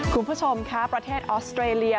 คุณผู้ชมค่ะประเทศออสเตรเลีย